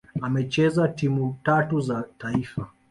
Amecheza timu tatu za taifa